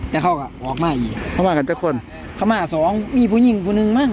แล้วเขาก็ออกมาอีกเขาว่ากันสักคนเขามาสองมีผู้หญิงผู้หนึ่งมั้ง